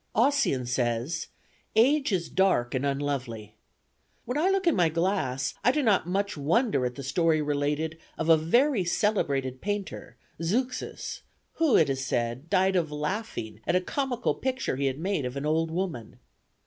Ossian says, 'Age is dark and unlovely.' When I look in my glass, I do not much wonder at the story related of a very celebrated painter, Zeuxis, who, it is said, died of laughing at a comical picture he had made of an old woman.